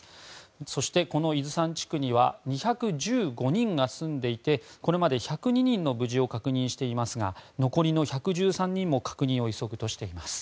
そして、この伊豆山地区には２１５人が住んでいてこれまで１０２人の無事を確認していますが残りの１１３人も確認を急ぐとしています。